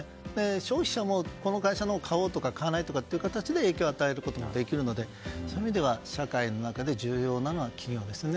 消費者もこの会社の顔とか金という形で影響を与えることもできるのでそういう意味では社会の中で重要なのは企業ですね。